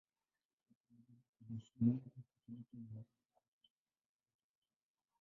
Tangu kale anaheshimiwa na Wakatoliki na Wakopti kama mtakatifu.